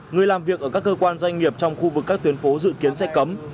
người làm việc ở các cơ quan doanh nghiệp trong khu vực các tuyến phố dự kiến sẽ cấm